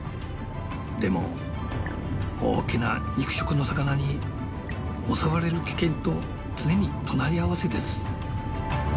でも大きな肉食の魚に襲われる危険と常に隣り合わせです。